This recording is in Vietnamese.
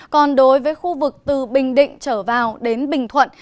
còn đối với khu vực từ bình định trở vào đến bình thuận